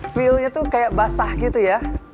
feelnya tuh kayak basah gitu ya